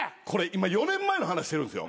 今４年前の話してるんすよ。